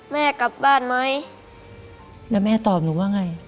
เปี๊ยกแล้วลูก